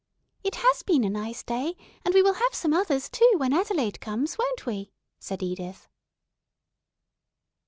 "It has been a nice day, and we will have some others, too, when Adelaide comes, won't we?" said Edith.